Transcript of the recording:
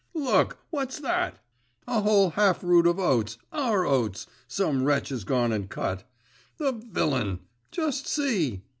'Look! what's that? A whole half rood of oats, our oats, some wretch has gone and cut. The villain! Just see!